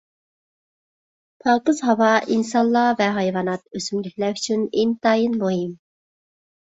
پاكىز ھاۋا ئىنسانلار ۋە ھايۋانات، ئۆسۈملۈكلەر ئۈچۈن ئىنتايىن مۇھىم.